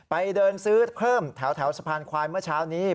ไปเดินซื้อเพิ่มแถวสะพานควายเมื่อเช้านี้